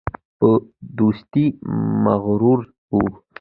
په دوستۍ مغرور وو.